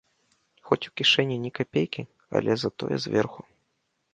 Хоць у кішэні ні капейкі, але затое зверху!